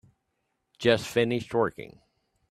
Just finished working.